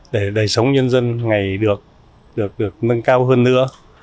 để đời sống nhân dân ngày được nâng cao hơn nữa